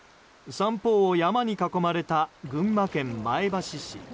三方を山に囲まれた群馬県前橋市。